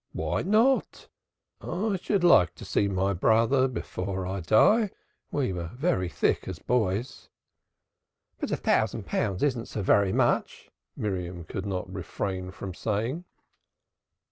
"Why not? I should like to see my brother before I die. We were very thick as boys." "But a thousand pounds isn't so very much," Miriam could not refrain from saying.